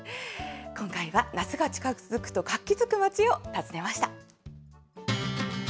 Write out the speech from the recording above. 今回は夏が近づくと活気づく町を訪ねました。